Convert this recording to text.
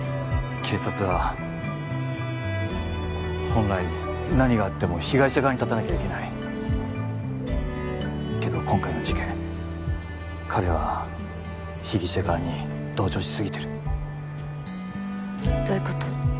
警察は本来何があっても被害者側に立たなきゃいけないけど今回の事件彼は被疑者側に同情しすぎてるどういうこと？